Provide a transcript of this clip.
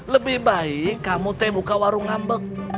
lebih baik kamu teh buka warung ngambek